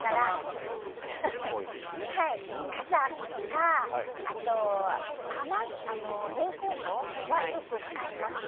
傘とかレインコートはよく使います。